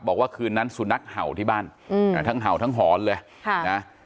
บอกว่าคืนนั้นสุนัขเห่าที่บ้านทั้งเห่าทั้งหอนเลยค่ะนะ